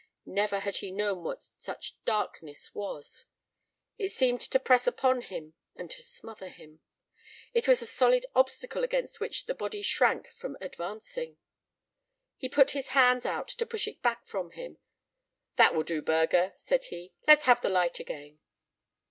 Never had he known what such darkness was. It seemed to press upon him and to smother him. It was a solid obstacle against which the body shrank from advancing. He put his hands out to push it back from him. "That will do, Burger," said he, "let's have the light again."